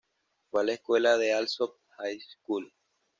Fue a la escuela de Alsop High School.